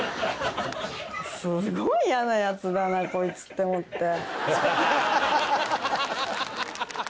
すごいイヤなヤツだなこいつって思って。